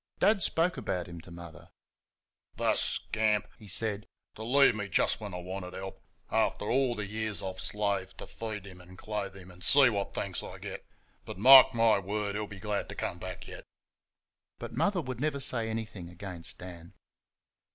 Dad spoke about him to Mother. "The scamp!" he said, "to leave me just when I wanted help after all the years I've slaved to feed him and clothe him, see what thanks I get! but, mark my word, he'll be glad to come back yet." But Mother would never say anything against Dan.